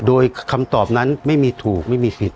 โดยคำตอบนั้นไม่มีถูกไม่มีผิด